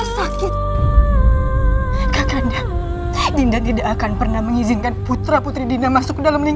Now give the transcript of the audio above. sampai jumpa lagi